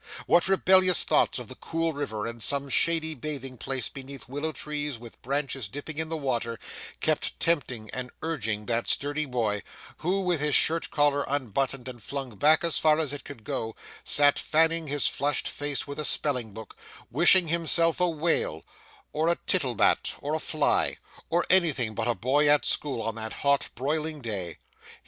What rebellious thoughts of the cool river, and some shady bathing place beneath willow trees with branches dipping in the water, kept tempting and urging that sturdy boy, who, with his shirt collar unbuttoned and flung back as far as it could go, sat fanning his flushed face with a spelling book, wishing himself a whale, or a tittlebat, or a fly, or anything but a boy at school on that hot, broiling day!